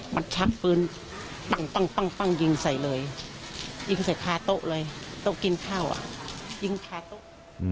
มันชักปืนปั้งยิงใส่เลยยิงใส่คาโต๊ะเลยโต๊ะกินข้าวอ่ะยิงคาโต๊ะ